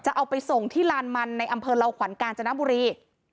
เอาไปส่งที่ลานมันในอำเภอเหล่าขวัญกาญจนบุรี